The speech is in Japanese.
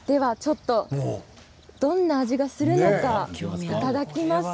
どんな味がするのかいただきます。